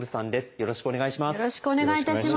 よろしくお願いします。